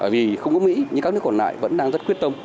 vì không có mỹ nhưng các nước còn lại vẫn đang rất quyết tâm